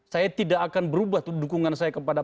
saya tidak akan berubah tuh dukungan saya kepada